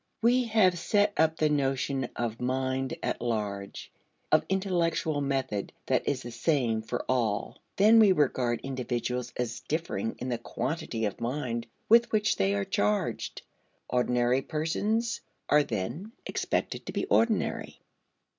We have set up the notion of mind at large, of intellectual method that is the same for all. Then we regard individuals as differing in the quantity of mind with which they are charged. Ordinary persons are then expected to be ordinary.